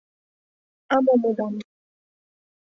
— А мом удам?